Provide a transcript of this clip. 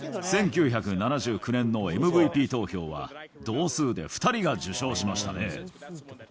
１９７９年のＭＶＰ投票は、同数で２人が受賞しましたね。